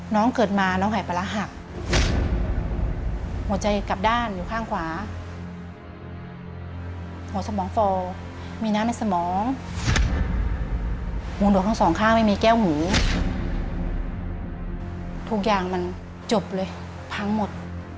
เกิดมาน้องหายปลาร้าหักหัวใจกลับด้านอยู่ข้างขวาหัวสมองฟอมีน้ำในสมองหูหนูทั้งสองข้างไม่มีแก้วหูทุกอย่างมันจบเลยพังหมด